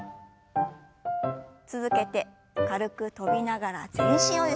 続けて軽く跳びながら全身をゆすります。